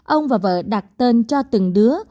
ông và vợ đặt tên cho từng đứa